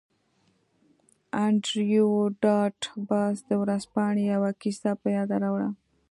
انډریو ډاټ باس د ورځپاڼې یوه کیسه په یاد راوړه